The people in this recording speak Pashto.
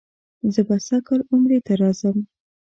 زه به سږ کال عمرې ته راځم.